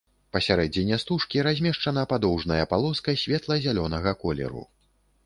Пасярэдзіне стужкі размешчана падоўжная палоска светла-зялёнага колеру.